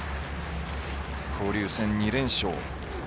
交流戦２連勝。